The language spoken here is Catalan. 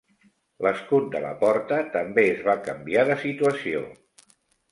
L'escut de la porta també es va canviar de situació.